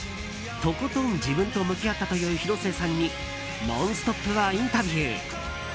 とことん自分と向き合ったという広末さんに「ノンストップ！」はインタビュー。